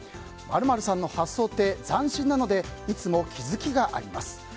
○○さんの発想って斬新なのでいつも気づきがあります。